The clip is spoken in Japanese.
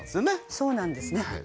そうなんですね